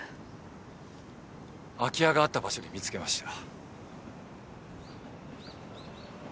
空き家があった場所で見つけました。